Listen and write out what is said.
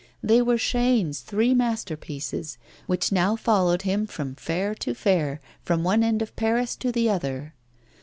They were Chaîne's three masterpieces, which now followed him from fair to fair, from one end of Paris to the other.